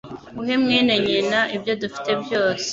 Uhe mwene nyina ibyo dufite byose